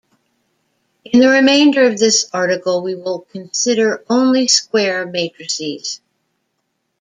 In the remainder of this article we will consider only square matrices.